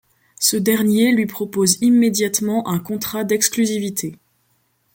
Ce dernier lui propose immédiatement un contrat d'exclusivité.